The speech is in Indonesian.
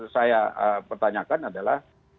saya pertanyakan adalah